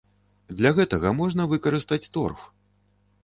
Для гэтага можна выкарыстаць торф.